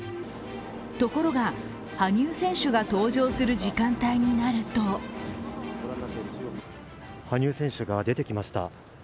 ところが羽生選手が登場する時間帯になると羽生選手が出てきました。